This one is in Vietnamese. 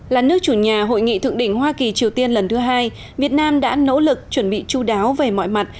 là nước chủ nhà hội nghị thượng đỉnh hoa kỳ triều tiên lần thứ hai việt nam đã nỗ lực chuẩn bị chú đáo về mọi mặt